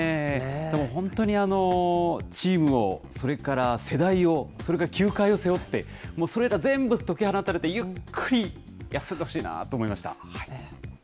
でも本当に、チームを、それから世代を、それから球界を背負って、それから全部解き放たれて、ゆっくり休んでほしいなと思いました。